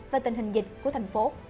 và tình hình dịch của thành phố